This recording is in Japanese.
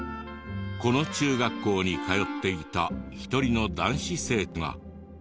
この中学校に通っていた一人の男子生徒が。